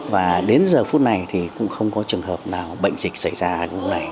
và đến giờ phút này thì cũng không có trường hợp nào bệnh dịch xảy ra như thế này